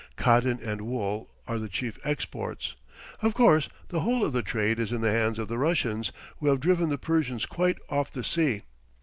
Cotton and wool are the chief exports. Of course, the whole of the trade is in the hands of the Russians, who have driven the Persians quite off the sea.